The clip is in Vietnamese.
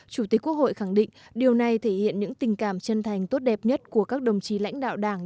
chủ tịch quốc hội khẳng định điều này thể hiện những tình cảm chân thành tốt đẹp nhất của các đồng chí lãnh đạo đảng